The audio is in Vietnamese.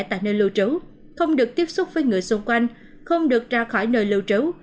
tại nơi lưu trú không được tiếp xúc với người xung quanh không được ra khỏi nơi lưu trú